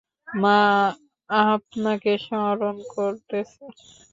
মা আপনাকে স্মরন করতেছে।